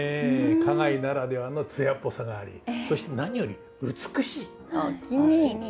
花街ならではの艶っぽさがありそして何より美しい。おおきに。